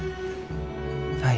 はい。